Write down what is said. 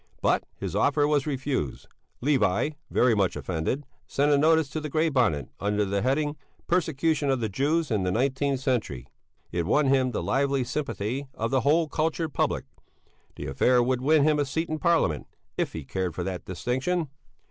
But his offer was refused. Levi, very much offended, sent a notice to the Grey Bonnet under the heading: "Persecution of the Jews in the Nineteenth Century." It won him the lively sympathy of the whole cultured public; the affair would win him a seat in Parliament if he cared for that distinction.